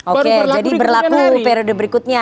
oke jadi berlaku untuk periode berikutnya